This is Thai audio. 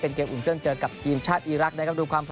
เกมอุ่นเครื่องเจอกับทีมชาติอีรักษ์นะครับ